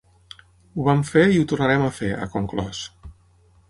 Ho vam fer i ho tornarem a fer, ha conclòs.